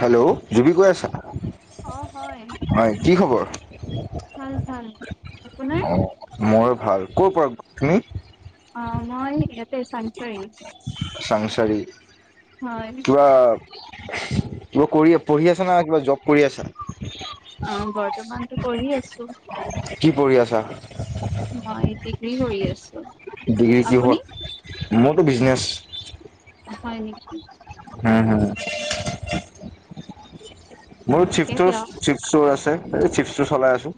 Hello, Jubi কৈ আছা? অ' হয় হয়, কি খবৰ? ভাল, ভাল। আপোনাৰ? অহ, মই ভাল, ক'ৰ পৰা তুমি অ মই ইয়াতে চংচাৰি, চাংচাৰি হয়। কিবা কৰি পঢ়ি আছা না, কিবা যব কৰি আছা? অ বৰ্তমানটো পঢ়ি আছোঁ। কি পঢ়ি আছা? মই ডিগ্ৰী কৰি আছো। ডিগ্ৰী আপুনি? কিহত? মোৰটো বুচ্ছিনেছ। হয়, নেকি। হম', হম। মোৰ ঠিকে শ্বিফ্টটো দিয়ক ছিক্সৰ আছে। এই চিপছটো চলাই আছো।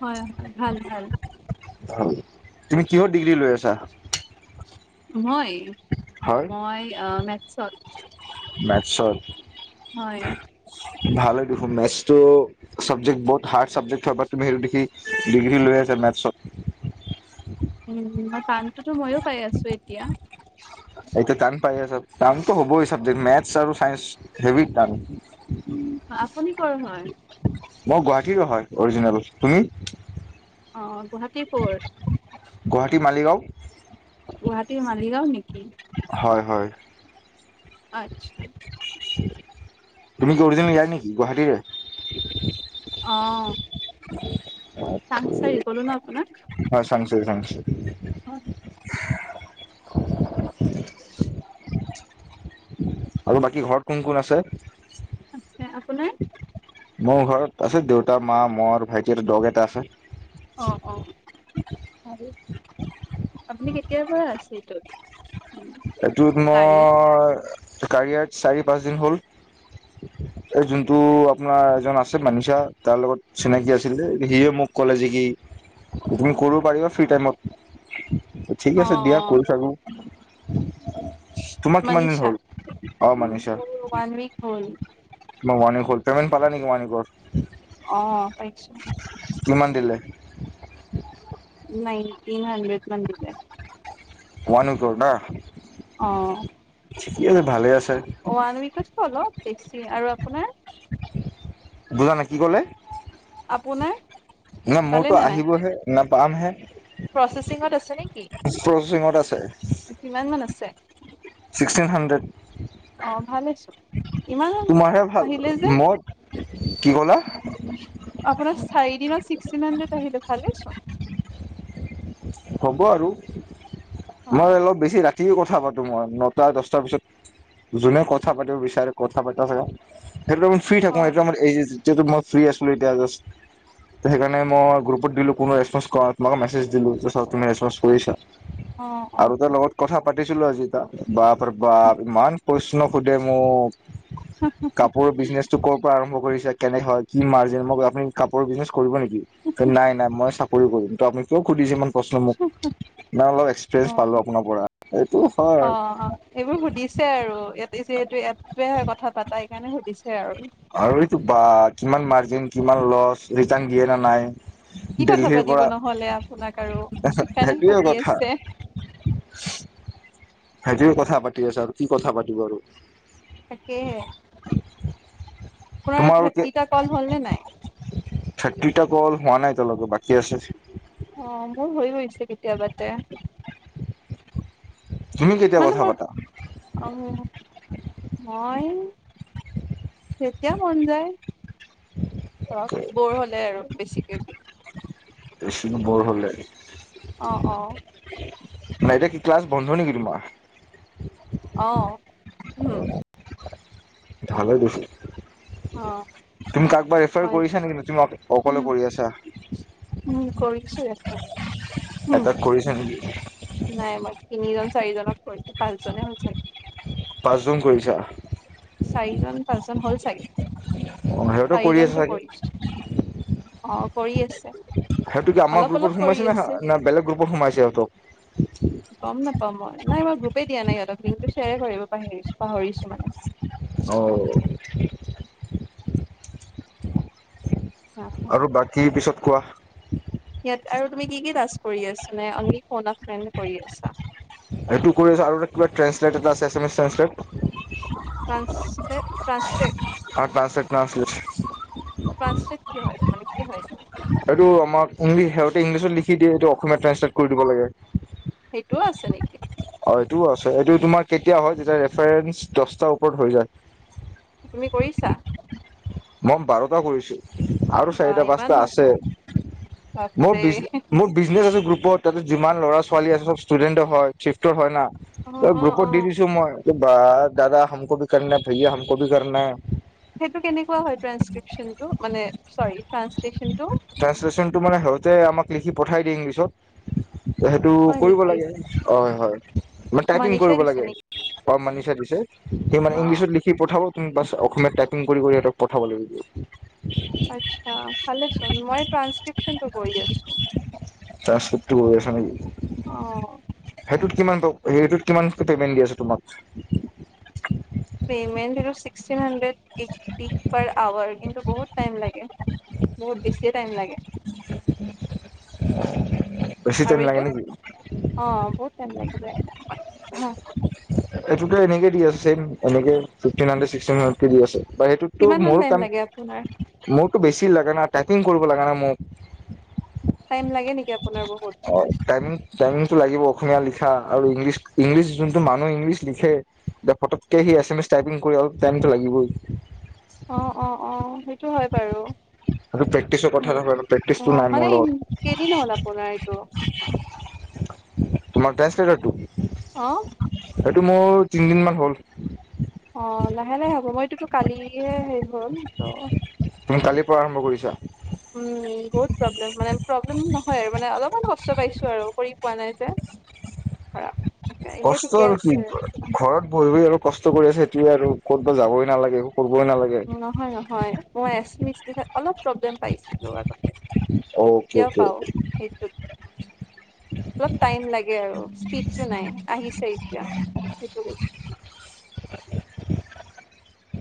হয়', ভাল', ভাল। তুমি কিহৰ ডিগ্ৰী লৈ আছা। মই। হয় মই অঁ মে চত। মেটছত। হয়। ভালে দেখোন মেথছটো চাবজেক্ট বহুত হাৰ্ড চাবজেক্ট হয় পৰা তুমি সেইটো দেখি ডিগ্ৰী লৈ আছা মেথছত। উম মই তানোতো ময়ো- পাই আছো এতিয়া। এইটো টান পাই আছে চব টানতো হ'বই চাবজেক্ট মেথছ আৰু ছাইন্স হেভি টান। আপুনি কৰ হয়? মই গুৱাহাটীৰ হয়, অৰিজিনেল তুমি? গুৱাহাটীৰ কৰ? গুৱাহাটী মালিগাঁও। গুৱাহাটীৰ মালিগাঁও নেকি। হয় হয়। আচ্ছা। [inaudible] তুমি কি অৰিজিনেল ইয়াৰ নেকি গুৱাহাটীৰে। অ। [inaudible] চাংচাৰী কলো ন আপোনাক। হয় চাংচাৰি চাংচাৰি। হয়। আৰু বাকী ঘৰত কোন কোন আছে? আছে। আপোনাৰ? [inaudible] মোৰ ঘৰত আছে দেউতা মা মৰ ভাইটি আৰু দগ এটা আছে। অ অ ভালেই। আপুনি কেতিয়াৰ পৰা আছে এইটোত। মানে এইটোত কাৰিয়াৰ? মই- কাৰিয়াত চাৰি পাঁচদিন হ'ল, এই যোনটো আপোনাৰ এজন আছে মানিচা তাৰ লগত চিনাকি আছিলে, সিয়ে মোক ক'লে যে কি তুমি কৰিব পাৰিবা ফ্ৰী টাইমত। ঠিক আছে দিয়া কৰি থাকো। তোমাৰ কিমান দিন মনিচা হ'ল অ মোৰ ওৱান ওইক হ'ল। ম মণিক খোল পেমেণ্ট পালা নেকি মণিকৰ অহ পাইছো কিমান দিলে নাইনটিন হাণ্ড্ৰেড মান দিলে ওৱন উৱিকৰ না অ ঠিকে আছে ভালে আছ ওৱান উৱিকত কে অলপ বেছি আৰু আপোনাৰ বুজা নাই কি ক'লে আপোনাৰ না ভালে মোৰতো নে নাই? আহিবহে ন পামহে প্ৰচেচিঙত আছে নে কি প্ৰচেচিঙত আছে মান আছে? ছিক্সটিন হানড্ৰেড অ' ভালেইছোন তোমাৰহে ভাল মই কি কলা আপোনাৰ চাৰি দিনত ছিক্সটিন হানড্ৰেড আহিলে ভালে চোন হ'ব আৰু মই অলপ বেছি ৰা ৰাতিও কথা পাতো মই নটা দহটাৰ পিছত যোনে কথা পাতিব বিচাৰে কথা পতা হয় সেইটো টাইমত ফ্ৰী অ থাকো সেইটো আমাৰ এই যে যি এতিয়াতো মই ফ্ৰী আছিলো এতিয়া জাষ্ট সেইকাৰণে মই গ্ৰুপত দিলো কোনো ৰেছপন্স কৰা মানে মেছেজ দিলো যে চাও তুমি ৰেছপন্স কৰিছা অ অ আৰু তাৰ অ লগত কথা পাতিছিলো আজি খা বাপ প্ৰভাৱ ইমান প্ৰশ্ন সোধে মোক কাপোৰৰ বিজনেছটো কৰ'ৰ পৰা আৰম্ভ কৰিছা কেনে হয় কি মাৰ্জিন মই আপুনি কাপোৰৰ বিজনেছ কৰিব নেকি নাই নাই মই চাকৰি কৰিম ত আপুনি কিয় সুধিছে ইমান প্ৰশ্ন মোক নাই অলপ অ এক্সপিৰিয়েঞ্চ পালো আপোনাৰ অ পৰা এইবোৰ সেইটো সুধিছে হয় আৰু ইয়াত যিহেতু ইটোৱে হয় কথা পতা এইকাৰণে সুধিছে আৰু আৰু এইটো বা কিমান মাৰ্জিন কিমান লচ ৰিটাৰ্ণ দিয়ে ন নাই কি কথা দেলহিৰ পাতিব পৰা নহলে আপোনাক আৰু সিকাৰণেহে সেইটোৱে পাতি কথা আছে সেদিন কথা পাতি আছে, আৰু কি কথা পাতিব আৰু। তাকেইহে। আপোনাৰ তোমাৰ থাৰ্টিটা কল হ'ল নে নাই? থাৰ্টিটা কল হোৱা নাই এতিয়ালৈকে। বাকী আছে দেবতে, তুমি কেতিয়া মানে কথা মই, পাতা আহ মই, তেতিয়া মন যায়। অ' ব'ৰ হলে আৰু বেছিকে দি বেছিকে ব'ৰ হ'লে। অ' অ'। নাই এতিয়া কি ক্লাছ বন্ধ নেকি তোমাৰ? অ উম ধাৰলে দিছে। অ'। তুমি কাৰোবাক ৰেফাৰ হয় কৰিছা নেকি বেছিভাগ উম অকলে কৰি আছা? উম কৰিছো ৰেফাৰ উম এটাক কৰিছা নেক [unintelligible] নাই মই তিনিজন চাৰিজনক কৰিছোঁ, পাঁচজনে হল চাগে। পাঁচজন কৰিছা চাৰিজন পাঁচজন হ'ল চাগে অ' সেহতেওঁ কৰি আছে চাৰিজনতো চাগে? কৰিছো অ কৰি আছে, সিহঁতো কি আমাৰ অলপ গ্ৰুপত অলপ কৰি সোমাইছে না আছে। না বেলেগ গ্ৰুপত সোমাইছে সিহঁতক গম নাপাওঁ মই নাই মই গ্ৰুপেই দিয়া নাই সিহতক লিংক টো চে। চেয়াৰ কৰিব পাহিৰিছো পাহৰিছো মানে। অও। অ আৰু বাকী পিছত। কোৱাহ? ইয়াত আৰু তুমি কি কি টাস্ক কৰি আছা? নে অনলি ফোন এ ফ্ৰেণ্ড কৰি আছা? সেইটো কৰি আছা আৰু কিবা ট্ৰান্সলেট এটা আছে Assamese translate. Translate translate. Translate translate কি হয়? মানে কি হয় এইটো? এইটো আমাক অনলি সিহঁতে ইংলিছত লিখি দিয়ে এইটো অসমীয়াত ট্ৰেঞ্চলেট কৰি দিব লাগে। সেইটোও আছে নেকি। অ এইটোও আছে এইটো তোমাৰ কেতিয়া হয় যেতিয়া ৰেফাৰেঞ্চ দছটাৰ ওপৰত হৈ যায়। তুমি কৰিছা মই বাৰটা কৰিছো। আৰু বা চাৰিটা ইমান পাঁচটা আছে। মানুহ আছে মোৰ বাপৰে বিছ মোৰ বিজনিছ গ্ৰু। [unintelligible] ওপৰত তাতে যিমান ল'ৰা ছোৱালী আছে চব ষ্টুডেণ্ট হয় চিফ্টৰ হয় না। অ অই অ অ গ্ৰুপত দি দিছো মই। বা দাদা হামক' ভি কৰনা হে ভাইয়া হামক' বি কৰনা হে। [unintelligible] সেইটো কেনেকুৱা হয় ট্ৰানচক্ৰিপচনটো মানে চৰি। ট্ৰান্সলেচনটো ট্ৰান্সলেট টো মানে সেহতে আমাক। লিখি পঠাই দিয়ে ইংলিছত। সেইটো হয় কৰিব নেকি লাগে হয় হয় মানে টাইপিং মনিষাই কৰিব দিছে লাগে নেকি ক মানি চ দিছে সি মানে অ ইংলিছত লিখি পঠাব! বাছ অসমীয়ীয়া ট্ৰাইপিং কৰি সিহঁতক পঠাব লাগিব। আচ্ছা। ভালেচোন মই ট্ৰাস্কৃপচন কৰি আছো। [unintelligible] ট্ৰাঞ্চক্ৰিপ্টটো আছা নে কি [unintelligible] অ। সেইটোত কি হেৰিটোত কিমান পেমেণ্ট দি আছে তোমাক? পেমেণ্ট জিকে হানড্ৰেড পাৰ আৰু কিন্তু বহুত টাইম লেগে। [unintelligible] বুত বেয়ে টাইম লাগে বেছি টাইম আৰু লাগে নেকি এইটোত অ বহুত টাইম লাগি যায়। এইটোতো এনেকে দি আছে চছেম এনেকেফটিন হাণ্ড্ৰেড ছিক্টিন হাণ্ড্ৰেড কে দি আছে। বা সেইটোতো কিমান মান মোৰ টাইম কাম লাগে আপোনাৰ মোৰ [unintelligible] বেছি লাগে ন! ট্ৰেকিং কৰিবৰ লাগে ণ মই টাইম লাগে নেকি আপোনাৰ বহুত? টাইমিং টাইমিংটো লাগিব অসমীয়া লিখা আৰু ইংলিছ ইংলিছ যোনটো মানুহে ইংলিছ লিখে পতককে সি এছ এম এছ টাইপিং কৰি অলপ টাইমতটো লাগিবই। অ অ অ সেইটো হয় বাৰু। টো প্ৰেক্টিচৰ কথা মো- নয় অ প্ৰেক্টিচটো নাই মানে মোৰ ইম- লগত। কেইদিন হ'ল আপোনাৰ এইটো তোমাৰ ট্ৰেসলেটৰটো? আহ! [unintelligible] সেইটো মোৰ তিনিদিনমান হ'ল। অঁ লাহে লাহে হ'ব মই এইটোতো কালিয়ে হেৰি হ'ল ত' তুমি কালিৰ আৰম্ভ কৰিছে? উম বহুত প্ৰব্লেম মানে প্ৰব্লেম নহয় আৰু মানে অলপমান কষ্ট পাইছো আৰু কৰি পোৱা নাই যে খাৰাপ। এতিয়া কষ্ট ঠিকে আৰু কি আছে ঘৰত বৰি ব আৰু কষ্ট কৰি আছে সটোয়োৱে আৰু ক'তবাত যাবই নালাগে। [unintelligible] নালাগে নহয় নহয় মই আছোচখ অলপ [unintelligible] প্ৰব্লেম পাইছিলো আগতে অকে কেতিয়াও অকে পাওঁ সেইটোত অলপ টাইম লাগে আৰু স্পীডটো নাই আহিছে এতিয়া সেইটো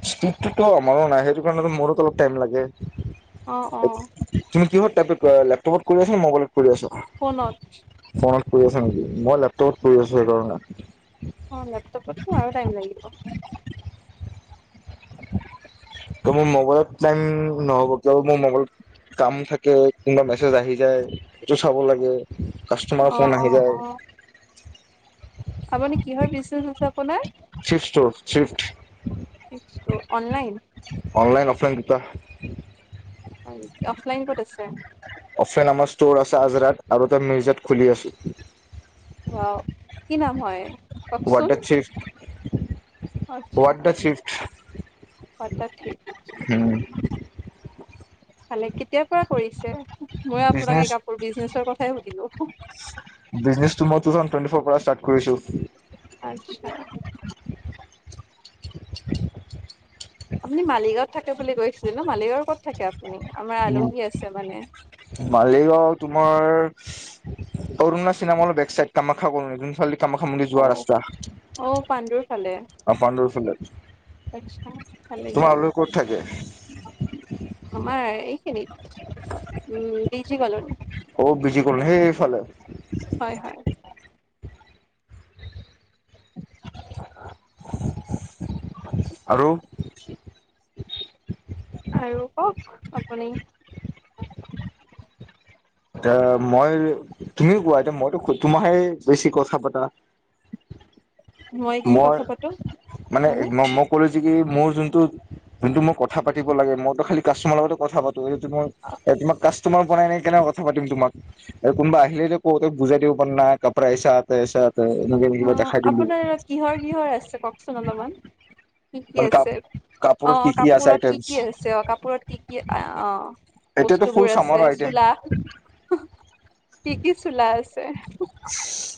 স্পীডটোতো আমাৰো নাই সেইটো কাৰণ মোৰো অলপ টাইম লাগে! অ অ তুমি কিহত লেপটপত কৰি আছ ন মোবাইলত কৰি আছো? ফোনত। ত পৰি আছ নেকি মই লেপটপত পৰি আছো সেইকাৰণে। অ লেপটপ তো আৰু টাইম লাগিব। মোৰ মোবাইলত টাইম নহ'ব কিয় মোৰ মবাইলত কাম থাকে, কোনোবা মেছেজ আহি যায় সেইটো চাব লাগে! কাষ্টমাৰ অ ফোন অ আহি যায়। অ [unintelligible] আপুনি কিহৰ বিছনেছ আছে আপোনাৰ চিফ ষ্টৰ চিফ্ট অননলাইন চগত [unintelligible] অফলাইন ক'ত আছে অপচন আমাৰ ষ্ট'ৰ আছে আজৰাত আৰু তই মিউজিয়াত খুলি আছো ৱাও কি নাম হয় কওকচোন ৱ্ডা চিফট আচ্ছা ঠিক ভালে, কেতিয়াৰ পৰা কৰিছে, মই আপোনাক বিজনেছ এই কাপোৰ বিজনেচৰ কথাই সুধিলো বিজনেছটো মই টু থাউজেণ্ড টুৱেন্টি ফ'ৰ পৰা ষ্টাৰ্ট কৰিছো আচ্ছা হয় [unintelligible] আপুনি মালিগাঁৱত থাকে বুলি কৈছিল ন মালিগাঁৱৰ ক'ত থাকে আপুনি আমাৰ আলহী আছে মানে কৰৰুণা চিনেমল বেক চাইড কামাখ্যা কৰ চাল কামাখ্যা মন্দিৰ অ যোৱা ৰাস্তা, অ পাণ্ডুৰ ফালে আ পাণ্ডুৰ ফালে। আচ্ছা ভালেই দিয়ক উ [unintelligible] আমাৰ এইখিনিত উম বিজি কলনি অ বিজি কলনী সেইফালে হয় হয় উ [unintelligible] আৰু আৰু কওক আপুনি এ মই কি কোৱা এতিয়া মইতো তোমাহে বেছি কথা পতা কি মই কথা পাতো মানে মই কো গতি কি মোৰ যোনটো যোনটো মই কথা পাতিব লাগে, মই তো খ কাষ্টমাৰ লগতে কথা পা তুমিতো তোমাৰ তোমাৰ বনাই নাই কেনেকা কথা পাতিম তোমাক কোনবা আহিলে যে কওঁতে বুজাই দিব প নাই কাৰ পৰা আইচা তা ছাত ত এনেকে অ কিবা দেখাই দিম ম আপোনাৰ কিহৰ কিহৰ আছে কওকচোন অলপমান কি কি মানে কাপ আছে অ কাপোৰত কি আছে কাপোৰত কি আইটেমছ? কি আছে অ কাপোৰত কি কি আ অ এতিয়াতো ফুল বস্তুবোৰ আছে চামৰ চোলা আইটেম কি কি চোলা আছে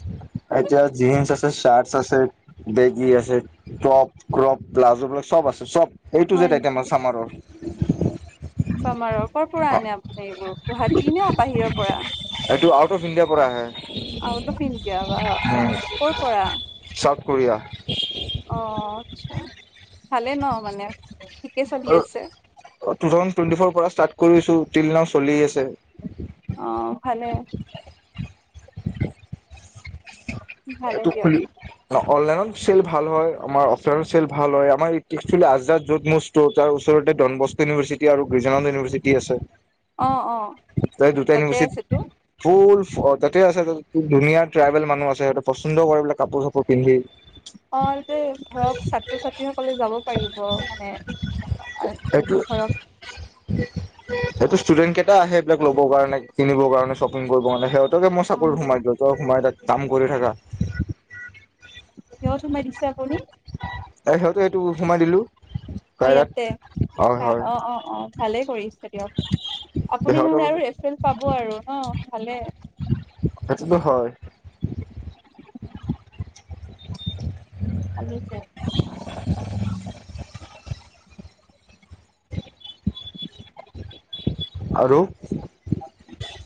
উ [unintelligible] এতিয়া জিন্স আছে চাৰৰ্চ আছে বেগী আছে টপ ক্ৰপ প্লাজো বিলাক চব আছে চব এ টো হয় যেপ টাইটেম নেকি? আছে চামাৰৰ [unintelligible] চামাৰৰ কৰ পৰা আনে আপুনি এইবোৰ গুৱাহাটী নে বাহিৰৰ পৰা এইটো আউট অফ ইণ্ডিয়া পৰা আহে আউট অফ ইণ্ডিয়া বা ক' পৰা চাউথ কোৰিয়া অ আচ্ছা ভালে ন মানে ঠিকে চলি টু আছে। থাউজেনড টুৱেটি ফ'ৰ পৰা ষ্টাৰ্ কৰিছো তিল নাও চলি আছে অ ভালে ভালে এইটো দিয়ক খুলি ন অনলাইনত চেল ভাল হয় আমাৰ অফলাইনৰ চেল ভাল হয় আমাৰ এতি ৰ্থী আজাত যত মুষ্ট তাৰ ওচৰতে ডনবস্ক ইউনিভাৰ্চিটি আৰু গিজানন্দ ইউনিভাৰ্চিটি আছে অ' অ' ত দুটাই তাতে ইউনিভাৰচিটি আছেতো। ফুল অ তাতে আছে ততে খুব ধুনীয়া ট্ৰাইব মানুহ আছে সিহঁতে পচন্দ কৰে বুলে কাপোৰ চাপোৰ পিন্ধি অ এইটোৱে ধৰক ছাত্ৰ ছাত্ৰীসকলে যাব পাৰিব মানে ধৰক সেইটো ষ্টুডেন্ট কেইটা আহে সেবিলাক ল'বৰ কাৰণে কিনিবৰ কাৰণে শ্বপিং কৰিব কাৰণে সিহঁত ত মই অ চাকৰি দিও তই সোমাই থাক কাম কৰি থাকা কিহত সোমাই দিছে আপুনি হয় অ ইয়াতে হয় হয় অ অ অ ভালেই কৰিছে দিয়ক আপুনি সিহঁতৰ নহলে আৰু ৰেফাৰেঞ্চ পাব আৰু অ ভালেই সেইটোতো হয় [unintelligible] ভালে [unintelligible] [inaudible] আৰু [inaudible]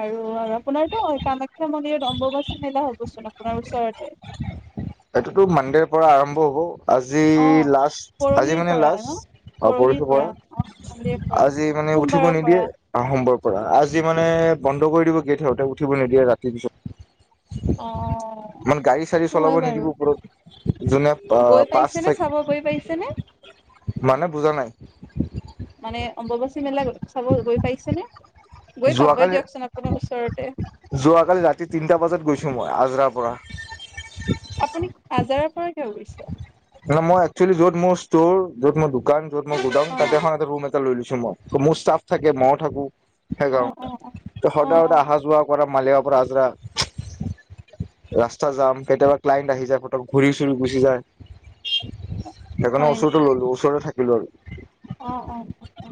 আৰু আৰু আপোনাৰতো কামাখ্যা মন্দিৰত অম্বুবাচী মেলা হবচোন আপোনাৰ ওচৰতে এইটোতো মানডেৰ পৰা আৰম্ভ হব আজি অ লাষ্ট আজি পৰহিৰ মানে পৰা ন লাষ্ট পৰহিৰ পৰশু পৰা অ কালিৰ পৰা আজি মানে উঠিব সোমবাৰৰ নিদিয়ে পৰা সম্ভৱ আজি মানে বন্ধ কৰি দিব গেট সতে উঠিব নিদিয়ে ৰাতি পিছত অ ইনে গাড়ী চাৰি সেইটো চলাব হয় বাৰু নিদিব পাৰে যোনে গৈ পাচ পাইছেনে চাব গৈ পাইছেনে চ মানে পুজা নাই অম্ববাচী মেলা চাব গৈ পাইছে নে যোৱাকালি ওচৰতে যোৱাকালি ৰাতি তিনটা বজাত গৈছো মই আজৰা পৰা আপুনি আজাৰৰ হয় ন মই একচেলি য'ত মোৰ ষ্ট'ৰ য'ত মোৰ দোকান অ তেটা লৈ লৈছো মই মোৰ ষ্টাফ থাকে মই থাকো অ সেইকাৰণ অ অ অ সদায় অ সদায় অহা যোৱা কৰা মালিক পৰা আজৰা ৰাস্তা জাম কেতিয়াবা ক্লাইণ্ট আহি যায় ফতক ঘূৰি চুৰি গুচি যায় সেইকাৰণে হয় ওচৰতে ললো ওচৰতে থাকিলো আৰু অ অ অ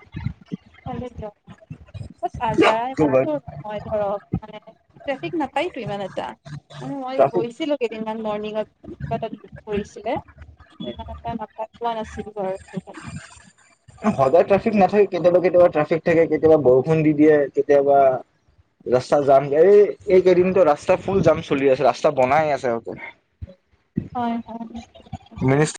ভাল দিয়জাৰ ইমানহয় ধৰ মানেফিক নাপায়তো ইমান এটা মান মই ট্ৰাফিক গৈছিলো কেইদিনমান মৰ্ণিঙত কিবা এটা কৰিছিলে উ ত নাপাই পোৱা নাছিল ঘৰ হয় সদায় ট্ৰেফিক নাথাকে কেতিয়াবা কেতিয়াবা ট্ৰেফিক থাকে কেতিয়াবা বৰষুণ দি দিয়ে কেতিয়াবা ৰাস্তা জাম এই এইকেইদিনো ৰাস্তা ফুল জাম চলি আছে ৰাস্তা বনাই আছে অকল হয় হয় মিনিষ্টাৰ